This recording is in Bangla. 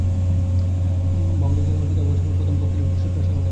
ভবানীচরণের পিতা অভয়াচরণের প্রথম পক্ষের পুত্র শ্যামাচরণ।